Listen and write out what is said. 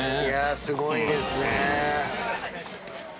すごいですね。